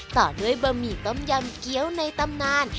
ต่อด้วยบะหมี่ต้มยำเกี้ยวในตำนาน